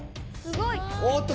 すごい。